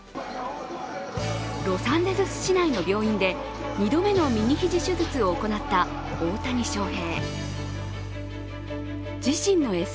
ロサンゼルス市内の病院で２度目の右肘手術を行った大谷翔平。